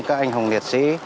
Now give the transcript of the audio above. các anh hùng liệt sĩ